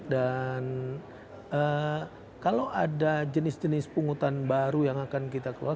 dan kalau ada jenis jenis penghutan baru yang akan kita keluar